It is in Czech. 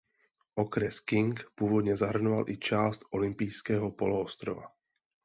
Okres King původně zahrnoval i část Olympijského poloostrova.